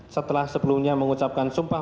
setelah sebelumnya mengucapkan sumpah